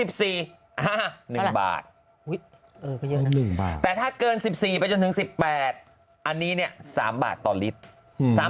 อันนี้๑บาทแต่ถ้าเกิน๑๔ไปจนถึง๑๘อันนี้เนี่ย๓บาทต่อลิตร